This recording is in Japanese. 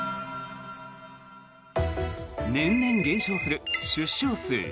年々減少する出生数。